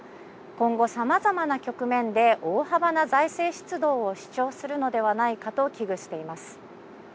今後さまざまな局面で大幅な財政出動を主張するのではないかと危惧しています。